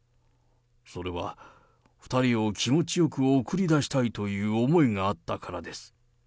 それは、２人を気持ちよく送り出したいという思いがあったからです。